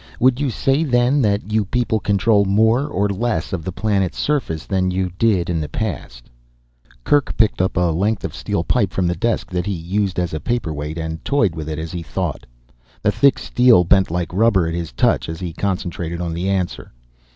Would you say then, that you people control more or less of the planet's surface than you did in the past?" Kerk picked up a length of steel pipe from the desk, that he used as a paperweight, and toyed with it as he thought. The thick steel bent like rubber at his touch, as he concentrated on his answer.